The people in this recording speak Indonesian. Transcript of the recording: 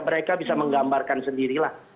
mereka bisa menggambarkan sendirilah